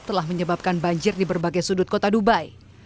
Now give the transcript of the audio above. telah menyebabkan banjir di berbagai sudut kota dubai